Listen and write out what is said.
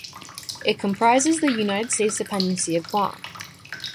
It comprises the United States dependency of Guam.